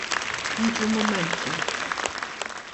Jiġu mumenti.